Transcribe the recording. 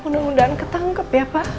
mudah mudahan ketangkep ya pak